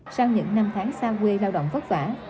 sau những năm tháng xa quê lao động vất vả